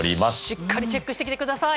しっかりチェックしてきてください。